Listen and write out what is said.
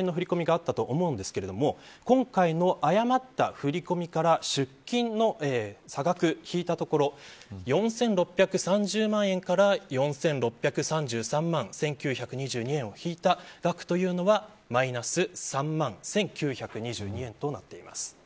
もともと本来の給付金があったと思うんですけど今回の誤った振り込みから出金の差額を引いたところ４６３０万円から４６３３万円１９２２円をひいた額というのがマイナスマイナス３万１９２２円となっています。